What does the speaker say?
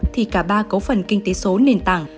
thì cả ba cấu phần kinh tế số nền tảng